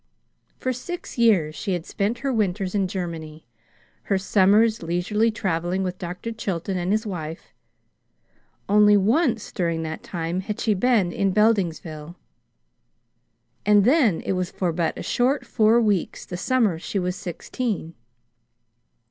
For six years she had spent her winters in Germany, her summers leisurely traveling with Dr. Chilton and his wife. Only once during that time had she been in Beldingsville, and then it was for but a short four weeks the summer she was sixteen.